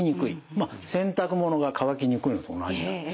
まあ洗濯物が乾きにくいのと同じなんですね。